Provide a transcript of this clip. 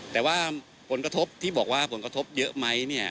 แต่ว่าผลกระทบที่บอกว่าผลกระทบเยอะไหมเนี่ย